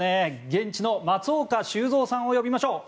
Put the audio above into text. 現地の松岡修造さんを呼びましょう。